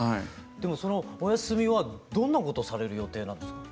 でもそのお休みはどんなことされる予定なんです？